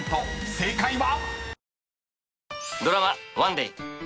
正解は⁉］